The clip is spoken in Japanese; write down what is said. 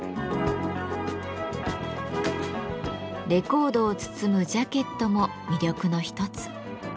レコードを包むジャケットも魅力の一つ。